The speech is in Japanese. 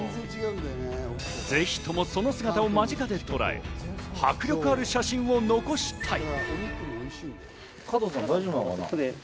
是非ともその姿を間近でとらえ、迫力ある写真を残したい。